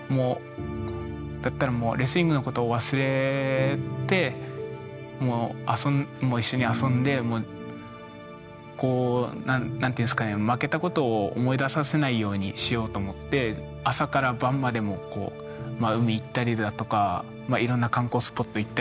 だったらもうレスリングのことを忘れて一緒に遊んでこう何て言うんですかね負けたことを思い出させないようにしようと思って朝から晩まで海行ったりだとかいろんな観光スポット行ったりとか。